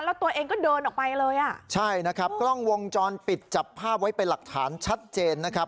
แล้วตัวเองก็เดินออกไปเลยอ่ะใช่นะครับกล้องวงจรปิดจับภาพไว้เป็นหลักฐานชัดเจนนะครับ